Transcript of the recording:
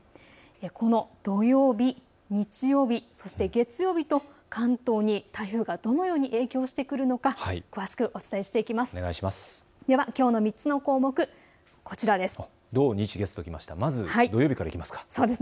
この土曜日、日曜日、そして月曜日と関東に台風がどのように影響してくるのか、詳しくお伝えしていきます。